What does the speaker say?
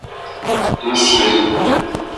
inciso